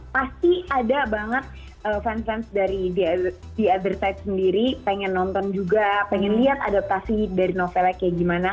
pasti ada banget fans fans dari di othersite sendiri pengen nonton juga pengen lihat adaptasi dari novelnya kayak gimana